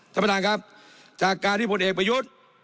สำหรับทางครับจากการที่ผลเอกประยุทธิ์